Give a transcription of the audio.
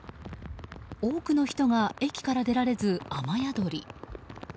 多くの人が駅から出られず雨宿り。